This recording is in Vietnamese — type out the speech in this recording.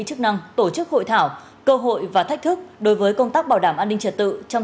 chức năng tổ chức hội thảo cơ hội và thách thức đối với công tác bảo đảm an ninh trật tự trong